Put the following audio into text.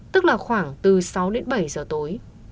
tức là khoảng từ sáu đến bảy giờ tối